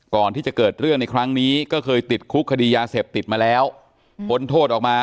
ก่อนที่จะเกิดเรื่องในครั้งนี้ก็เคยติดคุกคดียาเสพติดมาแล้วพ้นโทษออกมา